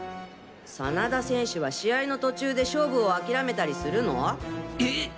真田選手は試合の途中で勝負を諦めたりするの？